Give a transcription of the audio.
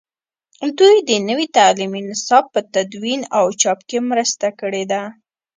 دوی د نوي تعلیمي نصاب په تدوین او چاپ کې مرسته کړې ده.